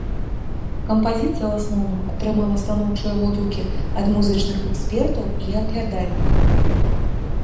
Кампазіцыя ў асноўным атрымала станоўчыя водгукі ад музычных экспертаў і аглядальнікаў.